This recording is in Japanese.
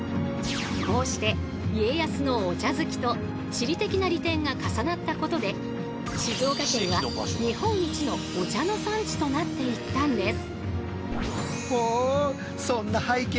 こうして家康のお茶好きと地理的な利点が重なったことで静岡県は日本一のお茶の産地となっていったんです。